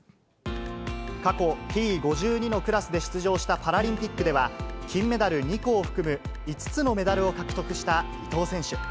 過去Ｔ５２のクラスで出場したパラリンピックでは、金メダル２個を含む、５つのメダルを獲得した伊藤選手。